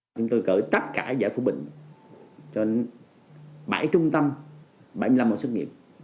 chúng tôi cởi tất cả giải phụ bệnh trên bảy trung tâm bảy mươi năm hội xuất nghiệp